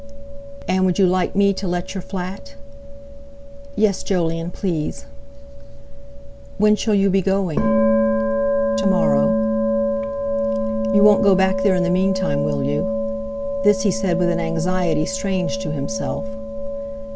"And would you like me to let your flat?" "Yes, Jolyon, please." "When shall you be going?" "To morrow." "You won't go back there in the meantime, will you?" This he said with an anxiety strange to himself.